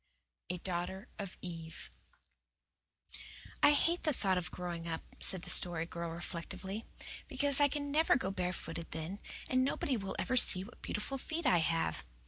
A DAUGHTER OF EVE "I hate the thought of growing up," said the Story Girl reflectively, "because I can never go barefooted then, and nobody will ever see what beautiful feet I have."